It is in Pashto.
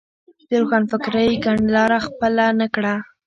د روښانفکرۍ کڼلاره خپله نه کړه.